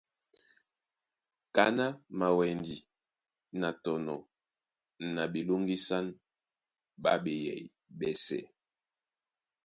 Kaná mawɛndi na tɔnɔ na ɓelóŋgísán ɓá beyɛy ɓɛ́sɛ̄.